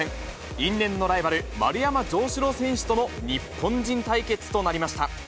因縁のライバル、丸山城志郎選手との日本人対決となりました。